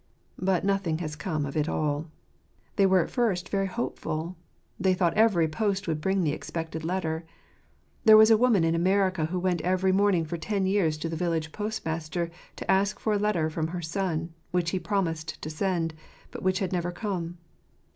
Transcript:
But nothing has come of it all. They were at first very hopeful. They thought each post would bring the expected letter. There was a woman in America who went every morning for ten years to the village post master to ask for a letter from her son, which he promised to send, but which had never come.